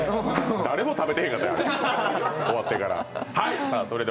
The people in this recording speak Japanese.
誰も食べてへんかった、終わってから。